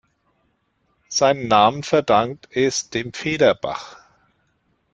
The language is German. Seinen Namen verdankt es dem Federbach.